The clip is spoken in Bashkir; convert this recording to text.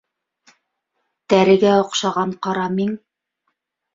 Тәрегә оҡшаған ҡара миң...